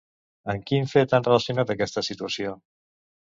Amb quin fet han relacionat aquesta situació?